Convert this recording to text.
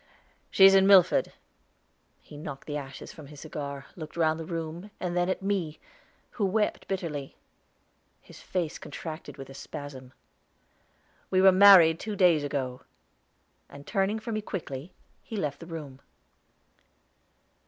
She is in Milford." He knocked the ashes from his cigar, looked round the room, and then at me, who wept bitterly. His face contracted with a spasm. "We were married two days ago." And turning from me quickly, he left the room.